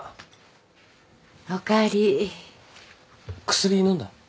薬飲んだ？